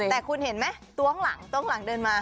แต่คุณเห็นไหมตรงหลังเดินมา